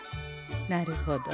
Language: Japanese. なるほど。